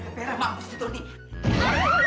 si pera mampus si tony